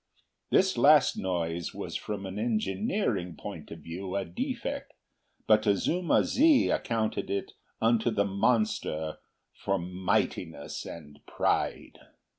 This last noise was from an engineering point of view a defect, but Azuma zi accounted it unto the monster for mightiness and pride.